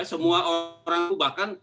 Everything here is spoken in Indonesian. semua orang tuh bahkan